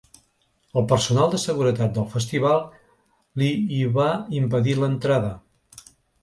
El personal de seguretat del festival li hi va impedir l’entrada.